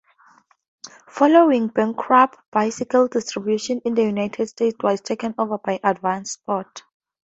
Following bankruptcy, bicycle distribution in the United States was taken over by Advanced Sports.